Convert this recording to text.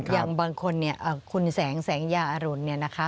อย่างบางคนคุณแสงแสงยาอรุณนะคะ